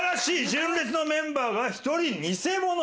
純烈のメンバーが１人ニセモノ。